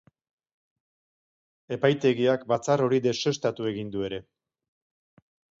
Epaitegiak batzar hori deuseztatu egin du ere.